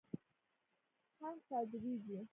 هنګ صادریږي.